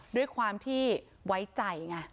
ด้วยความที่ไว้ใจไง